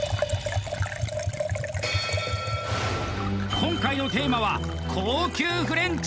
今回のテーマは高級フレンチ。